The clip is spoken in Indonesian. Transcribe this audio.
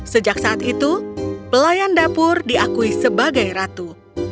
sejak saat itu pelayan dapur diakui sebagai ratu